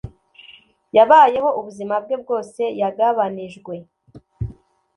Yabayeho ubuzima bwe bwose yagabanijwe